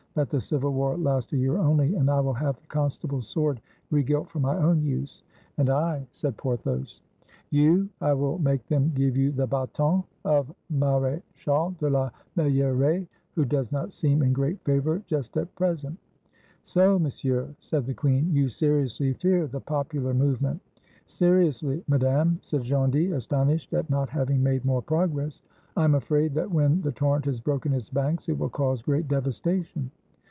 Let the civil war last a year only, and I will have the Constable's sword re gilt for my own use." "And I," said Porthos. "You! I will make them give you the baton of Mare chal de la Meilleraie, who does not seem in great favor just at present." 266 IN THE DAYS OF THE FRONDE "So, Monsieur," said the queen, "you seriously fear the popular movement?" "Seriously, Madame," said Gondy, astonished at not having made more progress; "I am afraid that when the torrent has broken its banks it will cause great devasta tion."